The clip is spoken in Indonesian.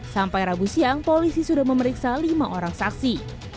sampai rabu siang polisi sudah memeriksa lima orang saksi